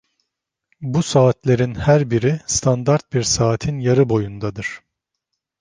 Bu saatlerin her biri, standart bir saatin yarı boyundadır.